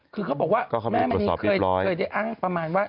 คือเขาบอกว่าแม่มณีเคยได้อ้างประมาณว่า